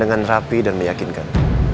dengan rapi dan meyakinkan